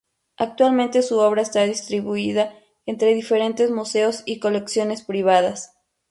Actualmente su obra está distribuida entre diferentes museos y colecciones privadas.